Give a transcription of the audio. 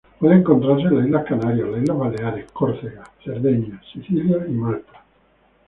Puede encontrarse en las Islas Canarias, las Islas Baleares, Corsa, Cerdeña, Sicilia y Malta.